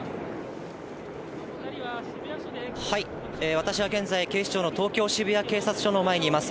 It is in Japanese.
私は現在、警視庁の東京・渋谷警察署の前にいます。